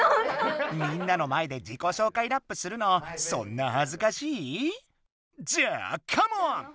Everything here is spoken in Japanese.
みんなの前で自己紹介ラップするのそんなはずかしい？じゃあカモン！